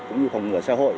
cũng như phòng ngừa xã hội